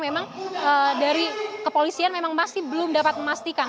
memang dari kepolisian memang masih belum dapat memastikan